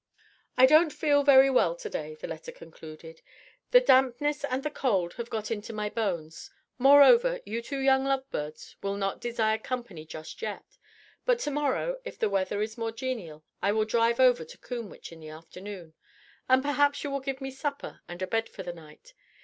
"I don't feel very well to day," the letter concluded; "the dampness and the cold have got into my bones: moreover you two young love birds will not desire company just yet, but to morrow if the weather is more genial I will drive over to Combwich in the afternoon, and perhaps you will give me supper and a bed for the night.